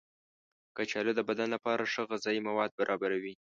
کچالو د بدن لپاره ښه غذايي مواد برابروي.